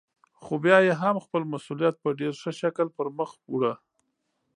خو بيا يې هم خپل مسئوليت په ډېر ښه شکل پرمخ وړه.